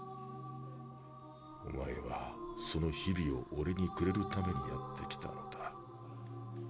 お前はその日々を、俺にくれるためにやってきたんだ。